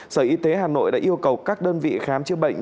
sở y tế hà nội đã yêu cầu các đơn vị khám chữa bệnh